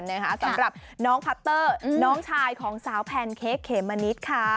สำหรับน้องพัตเตอร์น้องชายของสาวแพนเค้กเขมมะนิดค่ะ